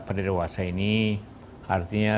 pada dewasa ini artinya